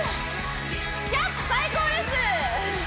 キャップ最高です！